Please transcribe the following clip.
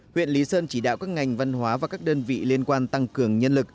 huyện lý sơn chỉ đạo các ngành văn hóa và các đơn vị liên quan tăng cường nhân lực